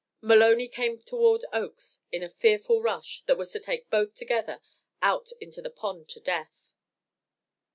Maloney came toward Oakes in a fearful rush that was to take both together out into the pond to death.